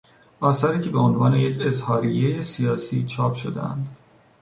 آثاری که به عنوان یک اظهاریهی سیاسی چاپ شدهاند